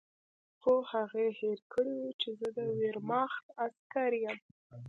خو هغې هېر کړي وو چې زه د ویرماخت عسکر یم